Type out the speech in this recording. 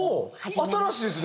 新しいですね